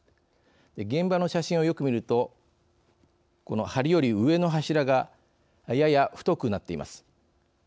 現場の写真をよく見るとこのはりより上の柱がやや太くなっています。